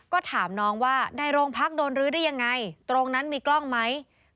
ก็ถามน้องว่าในโรงพักษณ์โดนรื้อได้ยังไง